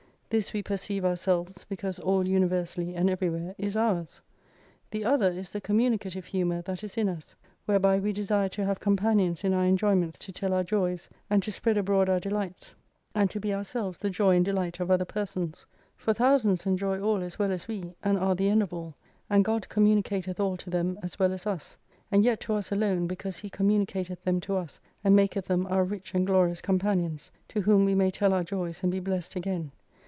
This we perceive our selves because all universally and everywhere is ours. The other is the communicative humour that is in us, whereby we desire to have companions in our enjoy ments to tell our joys, and to spread abroad our delights, and to be ourselves the joy and delight of other persons. For thousands enjoy all as well as we, and are the end of all : and God communicateth all to them as well as us. And yet to us alone, because He communicateth them to us, and maketh them our rich and glorious companions : to whom we may tell our joys, and be blessed again.